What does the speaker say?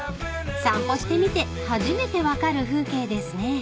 ［散歩してみて初めて分かる風景ですね］